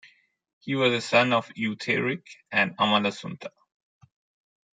He was a son of Eutharic and Amalasuntha.